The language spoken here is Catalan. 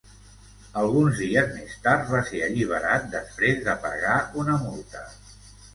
Alguns dies més tard va ser alliberat després de pagar una multa.